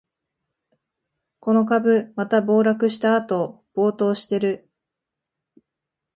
この株、また暴落したあと暴騰してる